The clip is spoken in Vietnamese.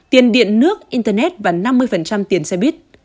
tiền điện nước internet và năm mươi tiền xe buýt